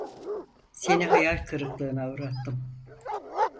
Seni hayal kırıklığına uğrattım.